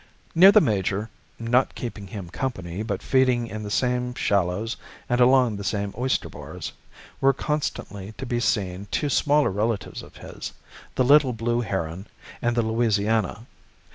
Near the major not keeping him company, but feeding in the same shallows and along the same oyster bars were constantly to be seen two smaller relatives of his, the little blue heron and the Louisiana.